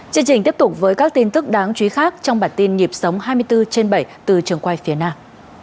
chương trình tiếp tục với các tin tức đáng chú ý khác trong bản tin nhịp sống hai mươi bốn trên bảy từ trường quay phía nam